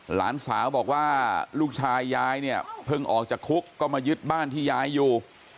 หลานสาวบอกว่าลูกชายยายเนี่ยเพิ่งออกจากคุกก็มายึดบ้านที่ยายอยู่